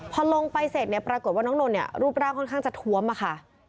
พอลงไปเสร็จปรากฏว่าน้องนนรูปร่างค่อนข้างจะท้วมค่ะ